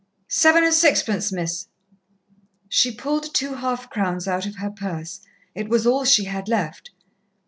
"Seven and sixpence, Miss." She pulled two half crowns out of her purse. It was all she had left.